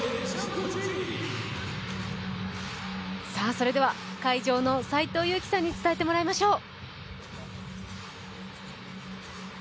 それでは、会場の斎藤佑樹さんに伝えてもらいましょう。